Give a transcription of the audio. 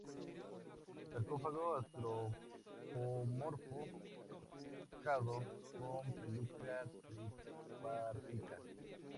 Sarcófago antropomorfo tocado con peluca tripartita.